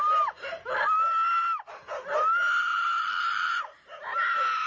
เธอเป็นใคร